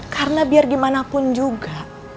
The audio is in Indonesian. karena biar dimanapun juga